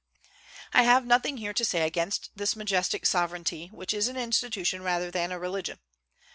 I have nothing here to say against this majestic sovereignty, which is an institution rather than a religion.